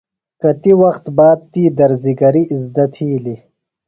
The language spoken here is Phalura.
کتیۡ وخت باد تی درزیۡ گِری اِزدہ تِھیلیۡ۔